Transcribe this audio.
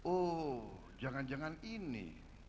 oh jangan jangan ini